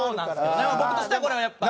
僕としてはこれはやっぱ。